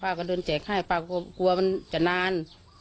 ป้าก็เดินแจกให้ป้าก็กลัวมันจะนาน